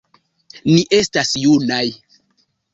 Ni estas junaj.